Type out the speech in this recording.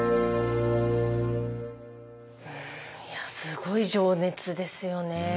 いやすごい情熱ですよね。